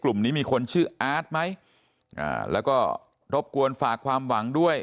กลุ่มนี้มีคนชื่ออาร์ตไหมอ่าแล้วก็รบกวนฝากความหวังด้วย